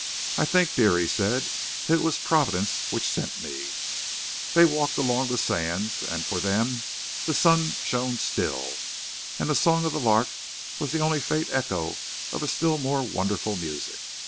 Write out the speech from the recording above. "I think, dear," he said, "that it was Providence which sent me." They walked along the sands, and for them the sun shone still, and the song of the lark was only the faint echo of a still more wonderful music.